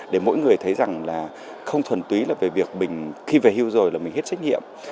để mỗi người thấy rằng là không thuần túy là về việc mình khi về hưu rồi là mình hết trách nhiệm